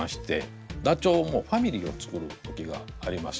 ダチョウもファミリーを作る時があります。